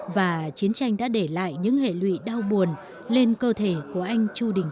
và chiến tranh đã để lại những hệ lụy đau buồn lên cơ thể của anh